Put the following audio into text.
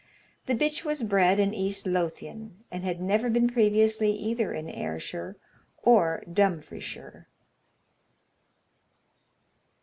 The bitch was bred in East Lothian, and had never been previously either in Ayrshire or Dumfriesshire.